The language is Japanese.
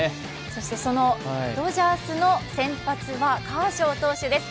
そしてドジャースの先発はカーショー選手です。